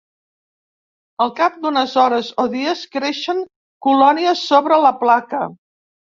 Al cap d'unes hores o dies creixen colònies sobre la placa.